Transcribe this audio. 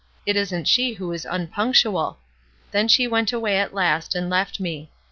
it isn't she who is vinpunctual — then she went away at last, and left me.